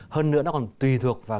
hơn nữa nó còn tùy thuộc vào